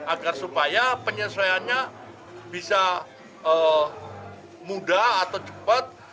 agar supaya penyesuaiannya bisa mudah atau cepat